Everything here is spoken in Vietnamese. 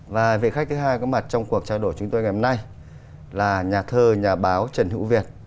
và vị khách thứ hai có mặt trong cuộc trao đổi chúng tôi ngày hôm nay là nhà thơ nhà báo trần hữu việt